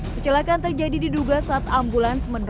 kecelakaan terjadi diduga saat ambulans